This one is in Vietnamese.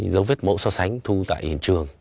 một mươi bảy dấu vết mẫu so sánh thu tại hiện trường